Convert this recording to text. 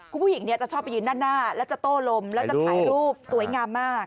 คุณผู้หญิงจะชอบไปยืนด้านหน้าแล้วจะโต้ลมแล้วจะถ่ายรูปสวยงามมาก